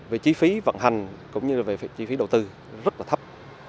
về chi phí vận hành cũng như là về chi phí đầu tư rất là thấp